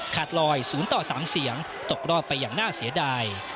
ลอย๐ต่อ๓เสียงตกรอบไปอย่างน่าเสียดาย